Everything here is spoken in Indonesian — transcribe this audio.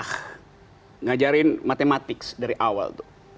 mengajarkan matematik dari awal itu